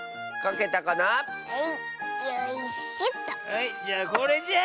はいじゃあこれじゃ。